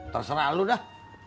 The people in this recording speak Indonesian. terserah lo dah